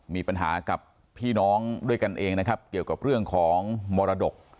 มีปัญหากับพี่น้องด้วยกันเองนะครับเกี่ยวกับเรื่องของมรดก